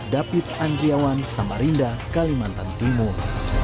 david andriawan samarinda kalimantan timur